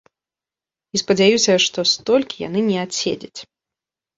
І спадзяюся, што столькі яны не адседзяць.